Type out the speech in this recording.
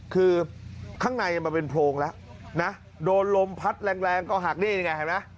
คือข้างในมันเป็นโพรงแล้วนะโดนลมพัดแรงแรงก็หักนี่ไงเห็นไหม